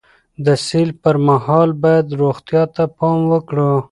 د سیل پر مهال باید روغتیا ته پام وکړو.